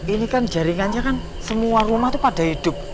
ini kan jaringannya kan semua rumah itu pada hidup